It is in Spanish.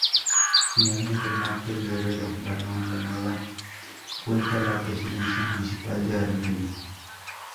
Finalmente, Márquez Guerrero ganó de nueva cuenta la Presidencia Municipal de Armería.